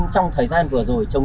tương đối đông